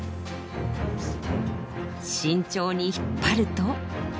慎重に引っ張ると。